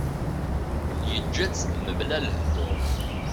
Yeǧǧa-tt mebla lehdur.